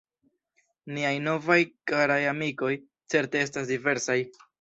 Niaj novaj karaj amikoj certe estas diversaj.